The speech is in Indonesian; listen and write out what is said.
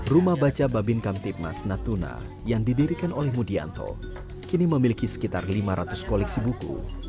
rumah baca bambinkam tipmas natuna yang didirikan oleh mudi anto kini memiliki sekitar lima ratus koleksi buku